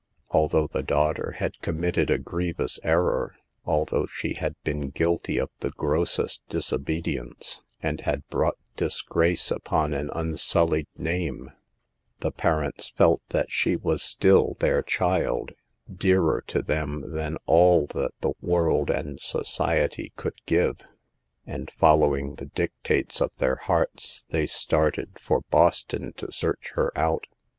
Al though the daughter had committed a grievous error, although she had been guilty of the grossest disobedience, and had brought dis grace upon an unsullied name, the parents felt that she was still their child, dearer to them than all that the world and society could give, 124 SAVE THE GIKLS. and, following the dictates of their hearts, they started for Boston to search her out.